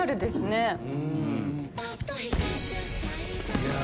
いや！